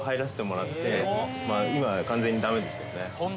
「今は完全に駄目ですよね」